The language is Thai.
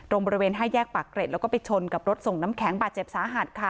บริเวณ๕แยกปากเกร็ดแล้วก็ไปชนกับรถส่งน้ำแข็งบาดเจ็บสาหัสค่ะ